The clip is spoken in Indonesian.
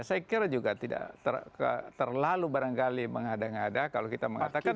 saya kira juga tidak terlalu barangkali mengada ngada kalau kita mengatakan